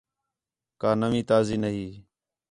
کَا نوی تازی نہیں